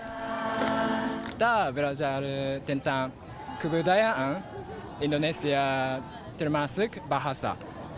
kita belajar tentang kebudayaan indonesia termasuk bahasa